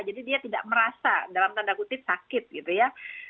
jadi dia tidak merasa dalam tanda kutip sakit gitu ya